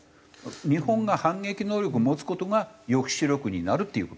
日本が反撃能力を持つ事が抑止力になるっていう事なんです。